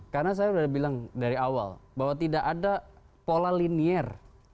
karena saya sudah bilang dari awal bahwa tidak ada pola linier